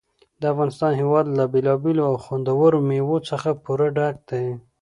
د افغانستان هېواد له بېلابېلو او خوندورو مېوو څخه پوره ډک دی.